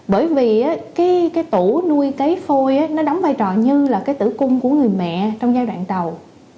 bởi vì cái tủ nuôi cấy phôi nó đóng vai trò như là cái tử cung của người mẹ trong giai đoạn tàu